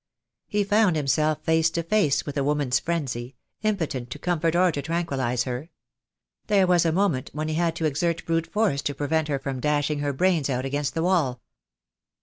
He found himself face to face with a woman's frenzy, impotent to comfort or to tranquillize her. There was a moment when he had to exert brute force to prevent her from dashing her brains out against the wall.